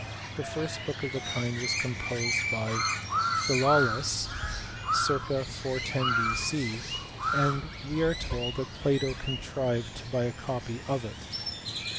The first book of the kind was composed by Philolaus (circ. 410 B.C.), and we are told that Plato contrived to buy a copy of it.